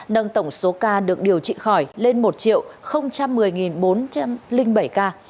nâng tổng số ca được điều trị khỏi lên một một mươi bốn trăm linh bảy ca